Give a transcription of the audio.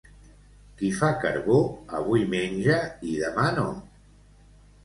Qui fa carbó, avui menja i demà no.